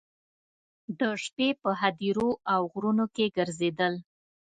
د شپې په هدیرو او غرونو کې ګرځېدل.